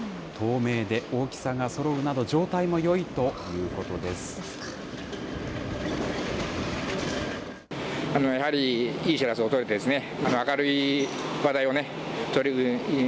透明で大きさがそろうなど、状態もよいということです。